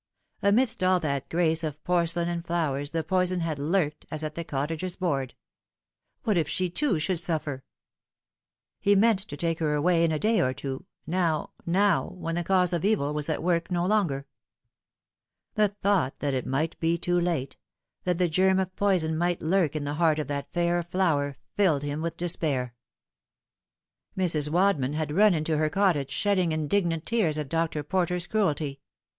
Amidst all that grace of porcelain and flowers the poison had lurked, as at the cottagers' board. What if she, too, should suffer ? He meant to take her away in a day or two now now when the cause of evil was at work no longer. The thought that it might be too late, that the germ of poison might lurk in the heart of that fair flower, filled him with despair. Mrs. Wadman had run into her cottage, shedding indignant tears at Dr. Porter's cruelty.